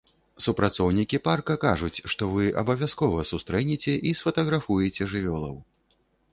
Супрацоўнікі парка кажуць, што вы абавязкова сустрэнеце і сфатаграфуеце жывёлаў.